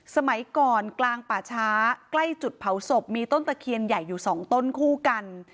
สมัยก่อนกลางป่าช้าใกล้จุดเผาศพมีต้นตะเคียนใหญ่อยู่สองต้นคู่กัน